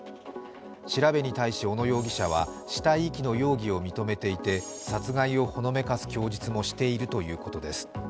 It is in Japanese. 調べに対し小野容疑者は死体遺棄の容疑を認めていて殺害をほのめかす供述もしているということです。